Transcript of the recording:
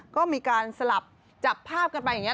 ก็มีการสลับจับภาพกันไปอย่างนี้